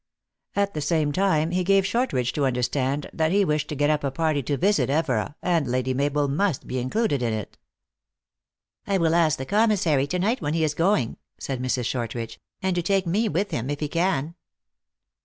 At the same time he gave Short ridge to understand that he wished to get up a party to visit Evora, and Lady Mabel must be included in it. " I will ask the commissary to night when he is go ing," said Mrs. Shortridge ;" and to take me with him, if he can."